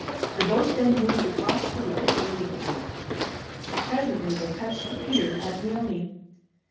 The boat then moved across the lake to Leoni. Presently they touched the pier at Leoni.